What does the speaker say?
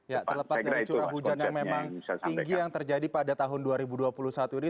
ya terlepas dari curah hujan yang memang tinggi yang terjadi pada tahun dua ribu dua puluh satu ini